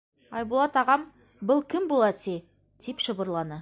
— Айбулат ағам, был кем була ти? — тип шыбырланы.